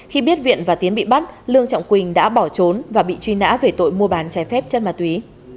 khi biết viện và tiến bị bắt lương trọng quỳnh đã bỏ trốn và bị truy nã về tội mua bán trái phép chất ma túy